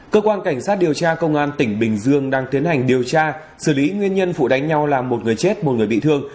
cơ quan cảnh sát điều tra công an tỉnh bình dương đang tiến hành điều tra xử lý nguyên nhân vụ đánh nhau làm một người chết một người bị thương